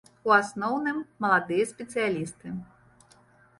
У асноўным, маладыя спецыялісты.